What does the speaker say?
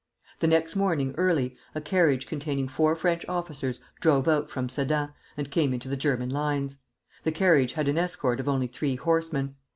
"The next morning early, a carriage containing four French officers drove out from Sedan, and came into the German lines. The carriage had an escort of only three horsemen.